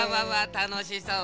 たのしそう。